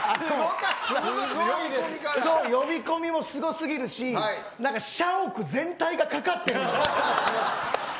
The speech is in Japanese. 呼び込みもすご過ぎるし社屋全体がかかってるのよ。